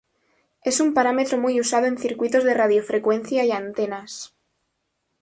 Es un parámetro muy usado en circuitos de radiofrecuencia y antenas.